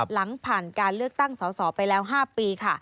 หลังผ่านการเลือกตั้งสอสอไปแล้ว๕ปีค่ะ